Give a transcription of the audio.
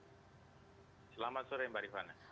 selamat sore mbak rifana